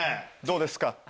どうですか？